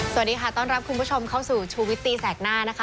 สวัสดีค่ะต้อนรับคุณผู้ชมเข้าสู่ชูวิตตีแสกหน้านะคะ